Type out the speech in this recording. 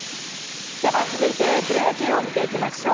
では続いてプロ野球を見ていきましょう。